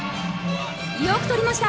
よく取りました。